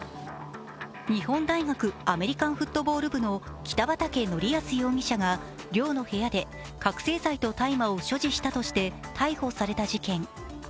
日本大学アメリカンフットボール部の北畠成文容疑者が寮の部屋で覚醒剤と大麻を所持したとして逮捕された事件。